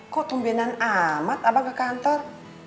kok tumbenan amat abang ke kantor